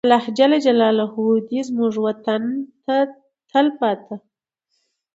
الله دې زموږ وطن ته تلپاته.